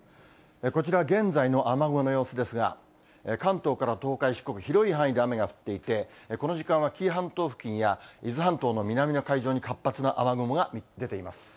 こちらは現在の雨雲の様子ですが、関東から東海、四国、広い範囲で雨が降っていて、この時間は紀伊半島付近や、伊豆半島の南の海上に活発な雨雲が出ています。